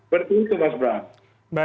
berarti itu mas bram